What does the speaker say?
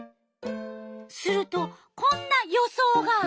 するとこんな予想が。